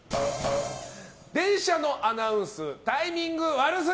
電車のアナウンスタイミング悪すぎ！